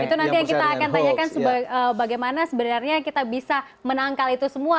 itu nanti yang kita akan tanyakan bagaimana sebenarnya kita bisa menangkal itu semua